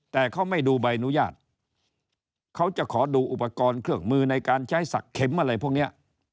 แต่เขาไม่ดูใบอนุญาตเขาจะขอดูอุปกรณ์เครื่องมือในการใช้สักเข็มอะไรพวกนี้